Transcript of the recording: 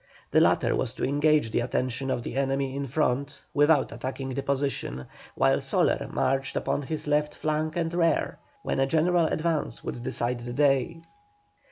The latter was to engage the attention of the enemy in front, without attacking the position, while Soler marched upon his left flank and rear, when a general advance would decide the day.